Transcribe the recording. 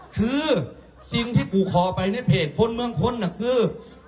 คือที่ขอในเพจคนเมืองคนนะคือ